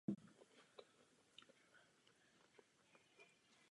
Později nahrála řadu úspěšných písní.